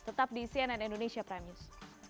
tetap di cnn indonesia prime news